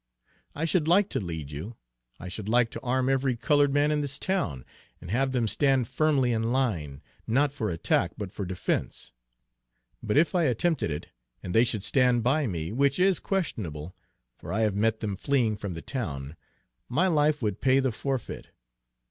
I should like to lead you; I should like to arm every colored man in this town, and have them stand firmly in line, not for attack, but for defense; but if I attempted it, and they should stand by me, which is questionable, for I have met them fleeing from the town, my life would pay the forfeit.